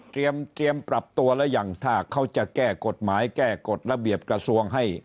เตรียมปรับตัวหรือยังถ้าเขาจะแก้กฎหมายแก้กฎระเบียบกระทรวงให้